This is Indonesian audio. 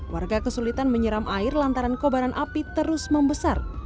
warga kesulitan menyeram air lantaran kobaran api terus membesar